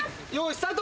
スタート。